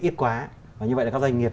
ít quá và như vậy là các doanh nghiệp